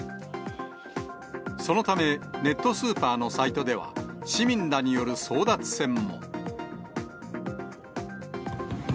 そのため、ネットスーパーのサイトでは、市民らによる争奪戦も。